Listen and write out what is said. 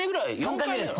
３回目です。